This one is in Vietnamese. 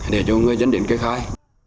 để cho người dân đến cây khai